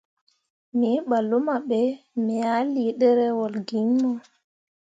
Me ɓah luma be, me ah lii ɗerewol gi iŋ mo.